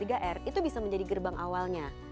itu bisa menjadi gerbang awalnya